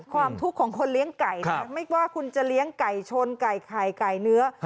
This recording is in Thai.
ความทุกข์ของคนเลี้ยงไก่นะไม่ว่าคุณจะเลี้ยงไก่ชนไก่ไข่ไก่เนื้อ